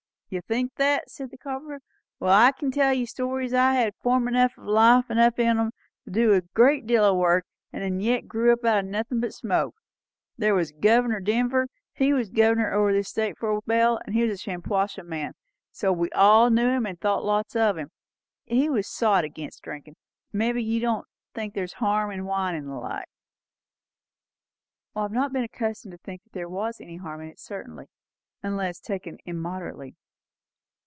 "You think that?" said the carpenter. "Wall, I kin tell you stories that had form enough and life enough in 'em, to do a good deal o' work; and that yet grew up out o' nothin' but smoke. There was Governor Denver; he was governor o' this state for quite a spell; and he was a Shampuashuh man, so we all knew him and thought lots o' him. He was sot against drinking. Mebbe you don't think there's no harm in wine and the like?" "I have not been accustomed to think there was any harm in it certainly, unless taken immoderately."